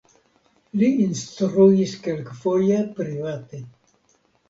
Li instruis kelkfoje private.